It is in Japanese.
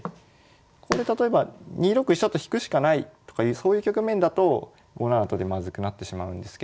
ここで例えば２六飛車と引くしかないとかいうそういう局面だと５七と金でまずくなってしまうんですけど。